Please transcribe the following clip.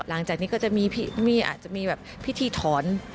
หลังจากนี้ก็จะมีพิธีถอน